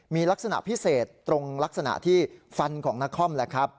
มีลักษณะพิเศษตรงลักษณะที่ฟันของนักคอม